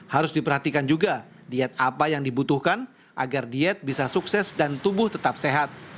harus diperhatikan juga diet apa yang dibutuhkan agar diet bisa sukses dan tubuh tetap sehat